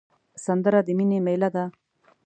سندره د مینې میله ده